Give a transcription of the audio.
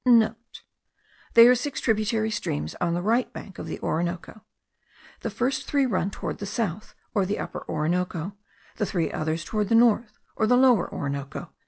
*(* They are six tributary streams on the right bank of the Orinoco; the first three run towards the south, or the Upper Orinoco; the three others towards the north, or the Lower Orinoco.)